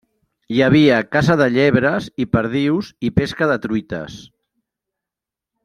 Hi havia caça de llebres i perdius, i pesca de truites.